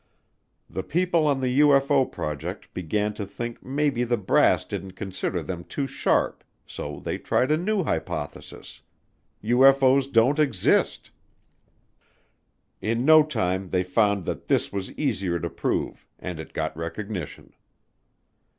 The people on the UFO project began to think maybe the brass didn't consider them too sharp so they tried a new hypothesis: UFO's don't exist. In no time they found that this was easier to prove and it got recognition.